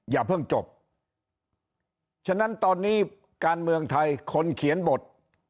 อย่าเพิ่งจบฉะนั้นตอนนี้การเมืองไทยคนเขียนบท